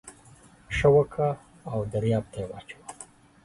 ښه وکه و درياب ته يې واچوه.